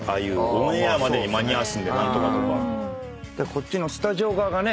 こっちのスタジオ側がね